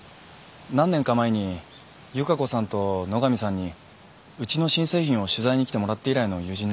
何年か前に由加子さんと野上さんにうちの新製品を取材に来てもらって以来の友人なんです。